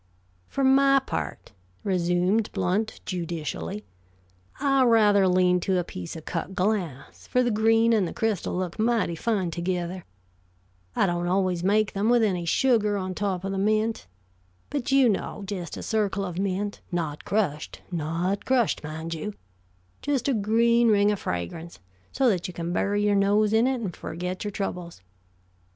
"For my part," resumed Blount, judicially, "I rather lean to a piece of cut glass, for the green and the crystal look mighty fine together. I don't always make them with any sugar on top of the mint. But, you know, just a circle of mint not crushed not crushed, mind you just a green ring of fragrance, so that you can bury your nose in it and forget your troubles.